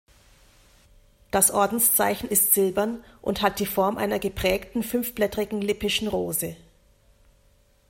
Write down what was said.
Das Ordenszeichen ist silbern und hat die Form einer geprägten fünfblättrigen Lippischen Rose.